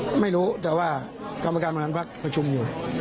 อื้อไม่รู้แต่ว่ากรรมการประกอบควบคุมอยู่